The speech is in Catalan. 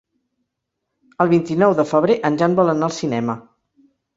El vint-i-nou de febrer en Jan vol anar al cinema.